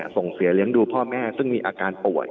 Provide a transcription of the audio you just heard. ส่งเสียเลี้ยงดูพ่อแม่ซึ่งมีอาการป่วย